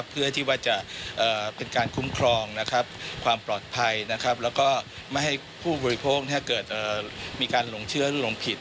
เพื่อที่ว่าจะเป็นการคุ้มครองความปลอดภัยแล้วก็ไม่ให้ผู้บริโภคเกิดมีการหลงเชื่อลงผิด